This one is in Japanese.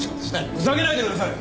ふざけないでください！